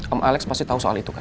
om alex pasti tahu soal itu kan